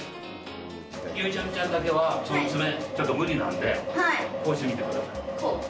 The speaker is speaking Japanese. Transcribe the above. ゆいちゃみちゃんだけは、その爪、ちょっと無理なんで、こうしてみてください。